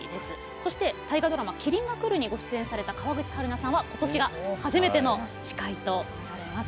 そして大河ドラマ「麒麟がくる」にご出演された川口春奈さんは今年が初めての司会となられます。